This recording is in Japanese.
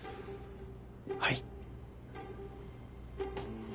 はい。